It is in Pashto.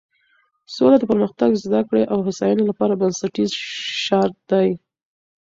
سوله د پرمختګ، زده کړې او هوساینې لپاره بنسټیز شرط دی.